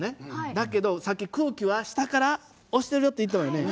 だけどさっき空気は下から押してるよって言ったよね。